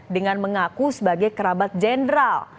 dengan mengaku sebagai kerabat jenderal